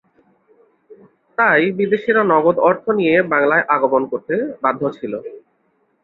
তাই বিদেশিরা নগদ অর্থ নিয়ে বাংলায় আগমন করতে বাধ্য ছিল।